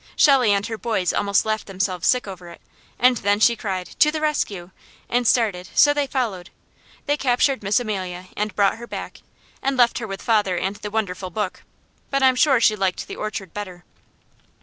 Shelley and her boys almost laughed themselves sick over it, and then she cried, "To the rescue!" and started, so they followed. They captured Miss Amelia and brought her back, and left her with father and the wonderful book, but I'm sure she liked the orchard better.